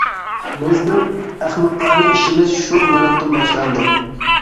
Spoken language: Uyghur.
بىزنىڭ ئەخمىقانە ئىشىمىز شۇ مىنۇتتىن باشلاندى.